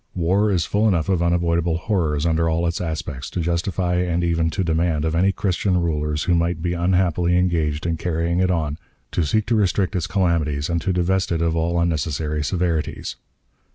War is full enough of unavoidable horrors under all its aspects, to justify and even to demand of any Christian rulers who may be unhappily engaged in carrying it on, to seek to restrict its calamities and to divest it of all unnecessary severities.